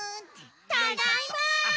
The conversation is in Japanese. ただいま！